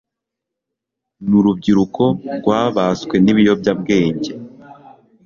urubyiruko rwabaswe n'ibiyobyabwenge